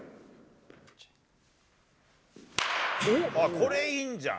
これ、いいんじゃん？